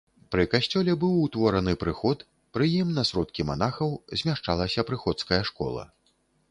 Пры касцёле быў утвораны прыход, пры ім на сродкі манахаў змяшчалася прыходская школа.